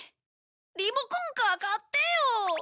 リモコンカー買ってよ！